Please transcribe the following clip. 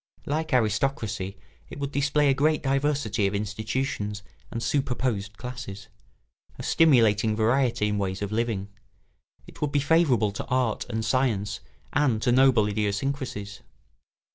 Like aristocracy, it would display a great diversity of institutions and superposed classes, a stimulating variety in ways of living; it would be favourable to art and science and to noble idiosyncrasies.